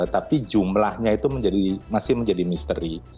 tapi jumlahnya itu masih menjadi misteri